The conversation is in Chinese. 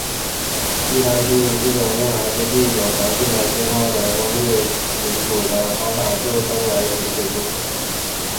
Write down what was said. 一般处理这种用来估计有杂讯的讯号的功率频谱的方法就称为频谱估计。